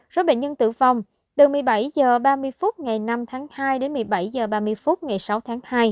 số bệnh nhân tử vong từ một mươi bảy h ba mươi phút ngày năm tháng hai đến một mươi bảy h ba mươi phút ngày sáu tháng hai